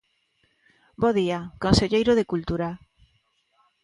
Bo día, conselleiro de Cultura.